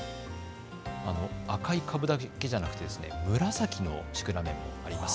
赤い株だけじゃなくて紫のシクラメンもあります。